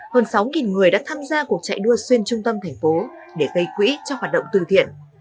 hơn sáu người đã tham gia cuộc chạy đua xuyên trung tâm thành phố để gây quỹ cho hoạt động từ thiện